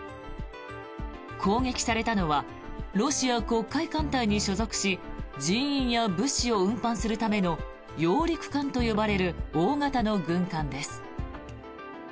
攻撃されたのはロシア黒海艦隊に所属し人員や物資を運搬するための揚陸艦と呼ばれる大型の軍艦です。